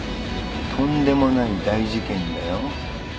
とんでもない大事件だよ。